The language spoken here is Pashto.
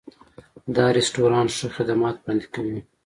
دا رستورانت ښه خدمات وړاندې کوي.